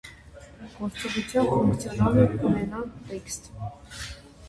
Գործողության ֆունկցիոնալը կունենա տեսքը։